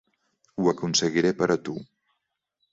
Ho aconseguiré per a tu.